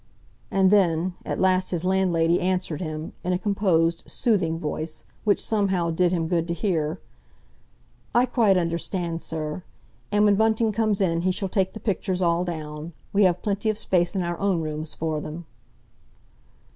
And then, at last his landlady answered him, in a composed, soothing voice, which somehow did him good to hear. "I quite understand, sir. And when Bunting comes in he shall take the pictures all down. We have plenty of space in our own rooms for them."